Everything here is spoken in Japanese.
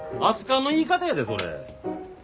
熱かんの言い方やでそれ。